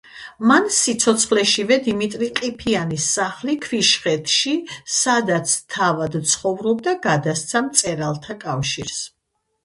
მან სიცოცხლეშივე დიმიტრი ყიფიანის სახლი ქვიშხეთში, სადაც თავად ცხოვრობდა, გადასცა მწერალთა კავშირს.